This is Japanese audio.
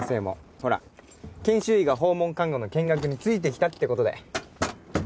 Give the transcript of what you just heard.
ほら研修医が訪問看護の見学についてきたって事で。